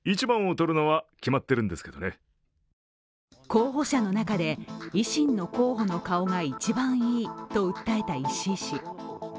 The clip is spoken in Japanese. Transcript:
候補者の中で維新の候補の顔が一番いいと訴えた石井氏。